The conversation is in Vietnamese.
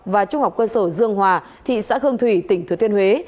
và trung học cơ sở dương hòa thị xã hương thủy tỉnh thứ thiên huế